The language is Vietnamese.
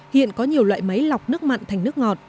hiện có nhiều loại máy lọc nước mặn thành nước ngọt